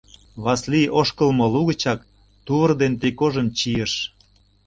Васлий ошкылмо лугычак тувыр ден трикожым чийыш.